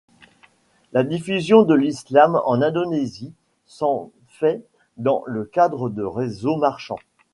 La diffusion de l'islam en Indonésie s'est fait dans le cadre de réseaux marchands.